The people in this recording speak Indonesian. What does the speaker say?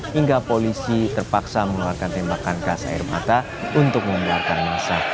hingga polisi terpaksa mengeluarkan tembakan gas air mata untuk mengeluarkan masa